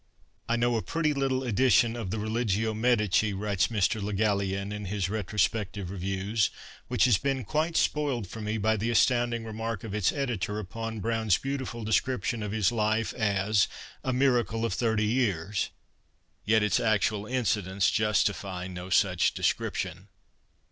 II ' I know a pretty little edition of the Religio Medici,' writes Mr. Le Gallienne in his Retrospective Reviews, 12 INTRODUCTION ' which has been quite spoiled for me by the astound ing remark of its editor upon Browne's beautiful description of his life as "a miracle of thirty years "— yet its actual incidents justify no such description